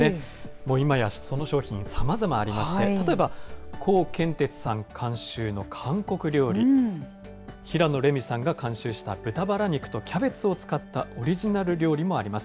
もういまやその商品、さまざまありまして、例えば、コウケンテツさん監修の韓国料理、平野レミさんが監修した豚バラ肉とキャベツを使ったオリジナル料理もあります。